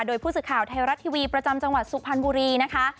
โดยผู้สื่อข่าวไทยรัฐทีวีประจำจังหวัดสุพรรณบุรีนะคะ